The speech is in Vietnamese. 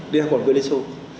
đi học bằng cơ nghĩa sô